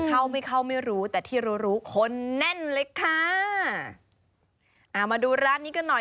เข้าไม่เข้าไม่รู้แต่ที่รู้รู้คนแน่นเลยค่ะอ่ามาดูร้านนี้กันหน่อย